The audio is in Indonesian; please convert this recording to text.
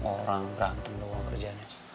orang berantem doang kerjanya